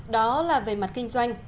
đó là về mặt kinh doanh